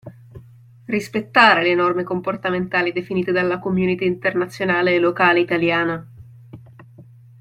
Rispettare le norme comportamentali definite dalla community Internazionale e locale italiana.